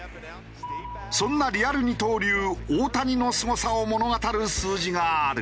そんなリアル二刀流大谷のすごさを物語る数字がある。